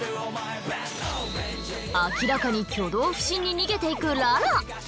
明らかに挙動不審に逃げていくララ。